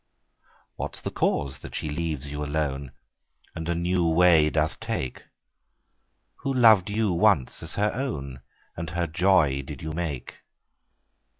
What's the cause that she leaves you alone, And a new way doth take, Who loved you once as her own, And her joy did you make